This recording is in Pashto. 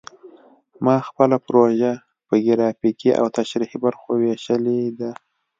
ما خپله پروژه په ګرافیکي او تشریحي برخو ویشلې ده